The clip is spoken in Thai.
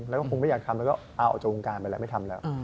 แล้วก็คงไม่อยากทำแล้วก็เอาออกจากวงการไปแล้วไม่ทำแล้ว